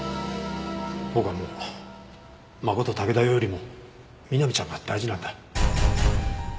僕はもうマコトタケダよりも美波ちゃんが大事なんだ。